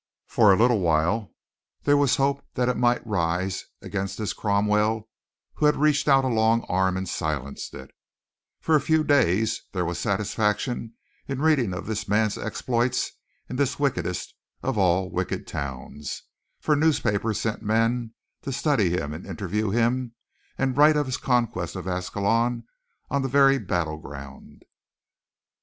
For a little while there was hope that it might rise against this Cromwell who had reached out a long arm and silenced it; for a few days there was satisfaction in reading of this man's exploits in this wickedest of all wicked towns, for newspapers sent men to study him, and interview him, and write of his conquest of Ascalon on the very battle ground.